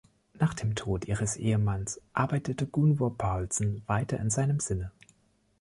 Nach dem Tod ihres Ehemannes arbeitete Gunvor Paulsen weiter in seinem Sinne.